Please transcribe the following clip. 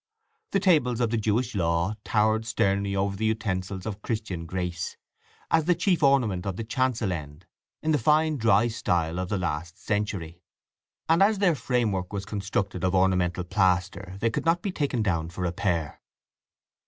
The tables of the Jewish law towered sternly over the utensils of Christian grace, as the chief ornament of the chancel end, in the fine dry style of the last century. And as their framework was constructed of ornamental plaster they could not be taken down for repair.